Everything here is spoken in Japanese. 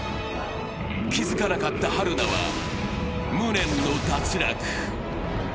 気付かなかった春菜は無念の脱落。